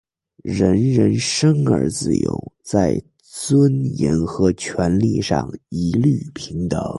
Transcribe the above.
人人生而自由,在尊严和权利上一律平等。